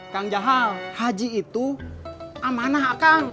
kang jahal haji itu amanah kang